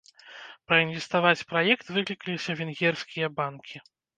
Праінвеставаць праект выклікаліся венгерскія банкі.